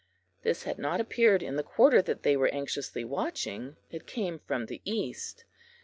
This had not appeared in the quarter that they were anxiously watching it came from the east.